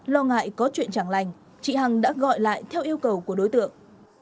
lo ngại có chuyện chẳng lành chị hằng đã gọi lại theo yêu cầu của đối tượng